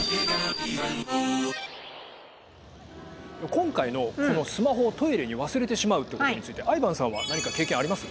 今回の「スマホをトイレに忘れてしまう」ってことについてＩＶＡＮさんは何か経験あります？